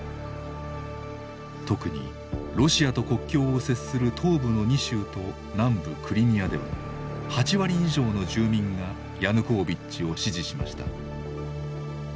特にロシアと国境を接する東部の２州と南部クリミアでは８割以上の住民がヤヌコービッチを支持しました。